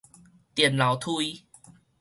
電樓梯